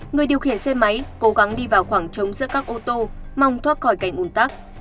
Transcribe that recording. người điều khiển xe máy cố gắng đi vào khoảng trống giữa các ô tô mong thoát khỏi cảnh un tắc